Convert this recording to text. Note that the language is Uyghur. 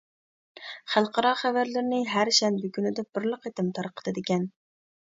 خەلقئارا خەۋەرلىرىنى ھەر شەنبە كۈنىدە بىرلا قېتىم تارقىتىدىكەن.